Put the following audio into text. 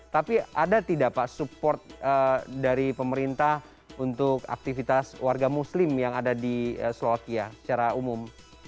tapi ada tidak pak support dari pemerintah untuk aktivitas warga muslim yang ada di slovakia secara umum